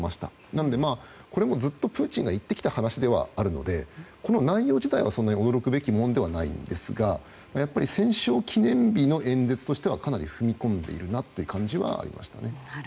なので、これもずっとプーチンが言ってきた話ではあるので内容自体は驚くべきものではないんですがやっぱり、戦勝記念日の演説としてはかなり踏み込んでいるなという感じはありました。